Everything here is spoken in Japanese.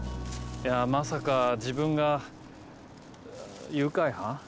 まさか自分が誘拐犯？